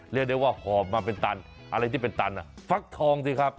เรียกได้ว่าหอบมาเป็นตันอะไรที่เป็นตันฟักทองสิครับ